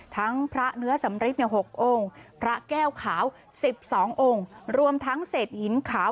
ทั้งพระเนื้อสำริปเห็นหกองพระแก้วเขาสิบสององรวมทั้งเสธหินขาว